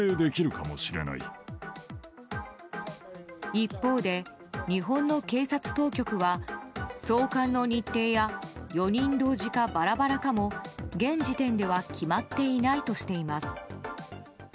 一方で、日本の警察当局は送還の日程や４人同時か、ばらばらかも現時点では決まっていないとしています。